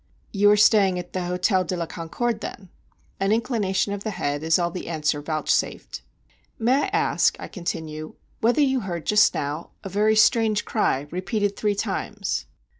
"You are staying at the Hôtel de la Concorde, then?" An inclination of the head is all the answer vouchsafed. "May I ask," I continue, "whether you heard just now a very strange cry repeated three times?"